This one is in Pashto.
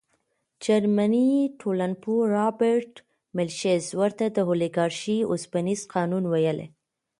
جرمني ټولنپوه رابرټ میشلز ورته د اولیګارشۍ اوسپنیز قانون ویلي.